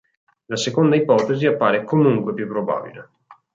La seconda ipotesi appare comunque più probabile.